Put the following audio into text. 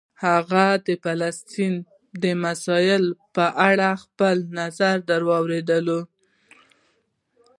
هغه د فلسطین د مسایلو په اړه خپل نظر درلود.